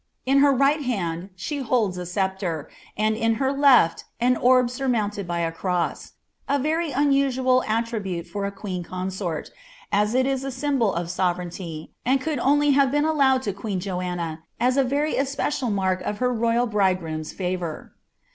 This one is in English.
In her right hand she holds ' |iire, and in her left an orb surmounted by a cross — a very unusual , ute for B (lueeii consort, as it is a symbol of sovereignty, nnd could liave been iitloweO lo queen Joanna as a very especial mark of her il bridegroom's favour.